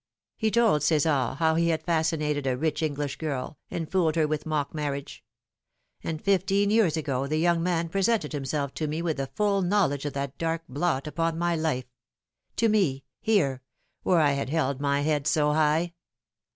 He told Cesar how he had fascinated a rich English girl, and fooled her with a mock marriage ; and fifteen years ago the young man presented himself to me with the full knowledge of that dark blot upon my life to me, here, where I had held my head so high.